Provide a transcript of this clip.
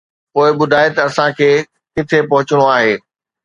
پوءِ ٻڌاءِ ته اسان کي ڪٿي پهچڻو آهي